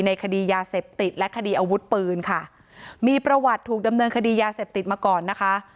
คดียาเสพติดและคดีอาวุธปืนค่ะมีประวัติถูกดำเนินคดียาเสพติดมาก่อนนะคะ